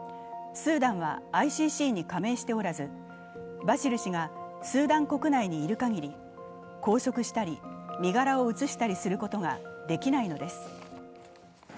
スーダンはＩＣＣに加盟しておらずバシル氏がスーダン国内にいる限り拘束したり身柄を移したりすることができないのです。